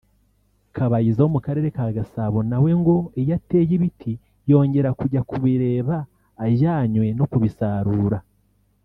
Kabayiza wo mu Karere ka Gasabo na we ngo iyo ateye ibiti yongera kujya kubireba ajyanywe no kubisarura